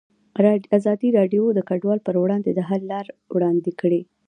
ازادي راډیو د کډوال پر وړاندې د حل لارې وړاندې کړي.